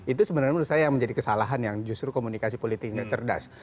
itu sebenarnya menurut saya yang menjadi kesalahan yang justru komunikasi politiknya cerdas